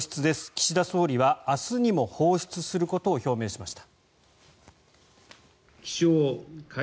岸田総理は明日にも放出することを表明ました。